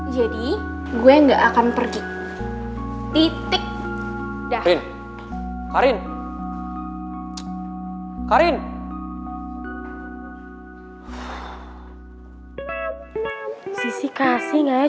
jadi gue gak akan pergi